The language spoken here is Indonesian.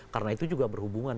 karena itu juga berhubungan